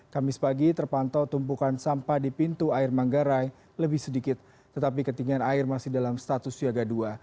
kamis pagi terpantau tumpukan sampah di pintu air manggarai lebih sedikit tetapi ketinggian air masih dalam status siaga dua